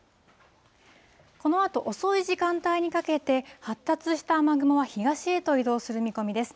このあと、遅い時間帯にかけて、発達した雨雲は東へと移動する見込みです。